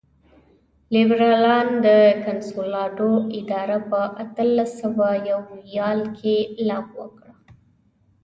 لېبرالانو د کنسولاډو اداره په اتلس سوه یو اویا کال کې لغوه کړه.